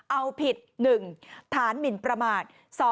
เอาผิด๑ฐานหมินประมาท